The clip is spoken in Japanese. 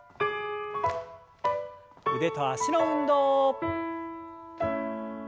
腕と脚の運動。